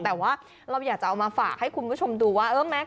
แต่ว่าเราอยากจะเอามาฝากให้คุณผู้ชมดูว่า